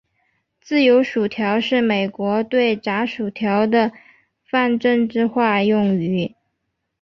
自由薯条是美国对炸薯条的泛政治化用语。